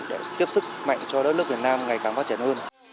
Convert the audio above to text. để tiếp sức mạnh cho đất nước việt nam ngày càng phát triển hơn